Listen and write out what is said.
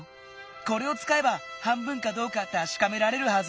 これをつかえば半分かどうかたしかめられるはず！